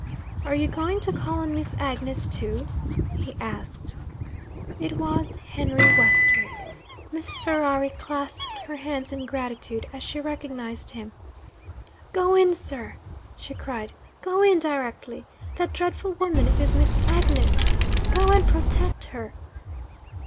'Are you going to call on Miss Agnes too?' he asked. It was Henry Westwick. Mrs. Ferrari clasped her hands in gratitude as she recognised him. 'Go in, sir!' she cried. 'Go in, directly. That dreadful woman is with Miss Agnes. Go and protect her!'